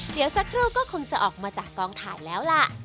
เดี๋ยวสักครู่ก็คงจะออกมาจากกองถ่ายแล้วล่ะ